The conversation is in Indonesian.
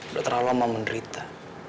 udah terlalu lama menderita